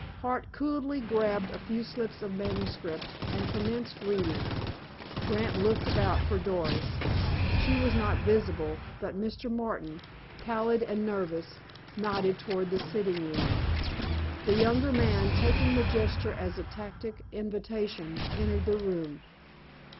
Hart coolly grabbed a few slips of manuscript, and commenced reading. Grant looked about for Doris. She was not visible, but Mr. Martin, pallid and nervous, nodded toward the sitting room. The younger man, taking the gesture as a tacit invitation, entered the room.